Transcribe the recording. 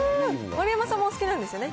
丸山さんもお好きなんですよね。